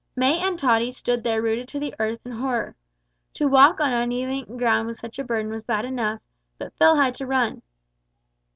May and Tottie stood there rooted to the earth in horror. To walk on uneven ground with such a burden was bad enough, but Phil had to run.